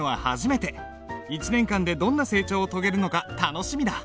１年間でどんな成長を遂げるのか楽しみだ。